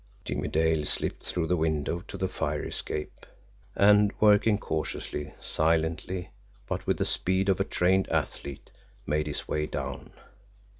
Jimmie Dale slipped through the window to the fire escape, and, working cautiously, silently, but with the speed of a trained athlete, made his way down.